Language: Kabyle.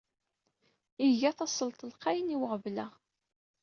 Iga tasleṭ lqayen i uɣbel-a.